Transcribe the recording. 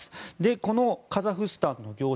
このカザフスタンの業者